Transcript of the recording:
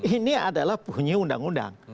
ini adalah bunyi undang undang